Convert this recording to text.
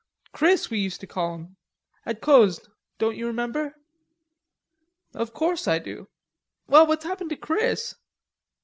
Chris we used to call him.... At Cosne, don't you remember?" "Of course I do." "Well, what's happened to Chris?"